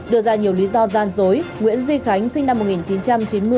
đưa ra nhiều lý do gian dối nguyễn duy khánh sinh năm một nghìn chín trăm chín mươi